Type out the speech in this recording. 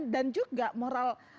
dan juga moral